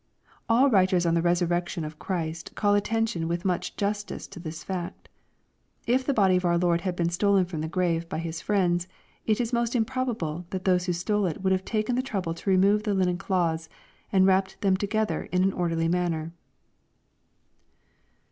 ] All writers on the resur rection of Christ, call attention with much justice to this fact If the body of our Lord had been stolen from the grave by his friends, it is most improbable that those who stole it would have taken the trouble to remove the linen clothes and wrap them together in an orderly manner.